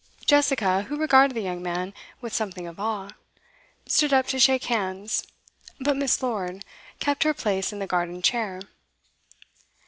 Jessica, who regarded the young man with something of awe, stood up to shake hands, but Miss. Lord kept her place in the garden chair.